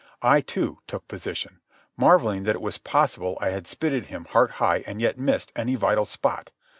I, too, took position, marvelling that it was possible I had spitted him heart high and yet missed any vital spot.